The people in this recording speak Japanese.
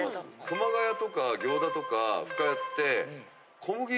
熊谷とか行田とか深谷って。